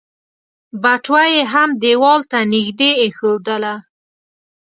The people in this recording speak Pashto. بټوه يې هم ديوال ته نږدې ايښودله.